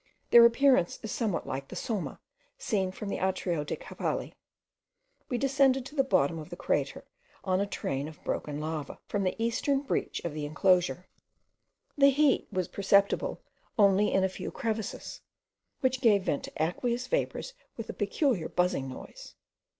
Their appearance is somewhat like the Somma, seen from the Atrio dei Cavalli. We descended to the bottom of the crater on a train of broken lava, from the eastern breach of the enclosure. The heat was perceptible only in a few crevices, which gave vent to aqueous vapours with a peculiar buzzing noise.